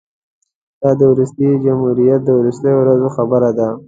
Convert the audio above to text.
دا د وروستي جمهوریت د وروستیو ورځو خبره ده.